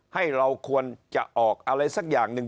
ให้เราควรจะออกอะไรสักอย่างหนึ่ง